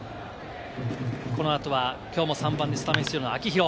この後はきょうも３番スタメン出場の秋広。